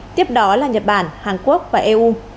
tiếp đó là nhật bản hàn quốc và eu